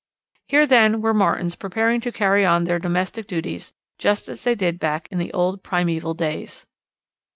Here then were Martins preparing to carry on their domestic duties just as they did back in the old primeval days.